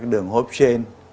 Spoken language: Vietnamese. các đường hốp trên